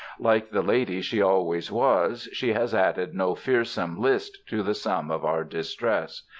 Like the lady she always was, she has added no fearsome list to the sum of our distress.